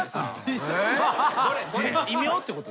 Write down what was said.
異名ってこと？